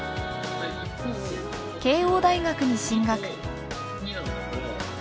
慶應大学に進学。